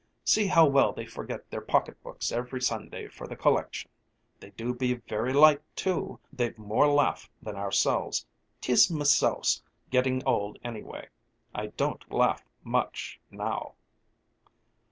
See how well they forget their pocketbooks every Sunday for the collection. They do be very light too, they've more laugh than ourselves. 'Tis myself's getting old anyway, I don't laugh much now."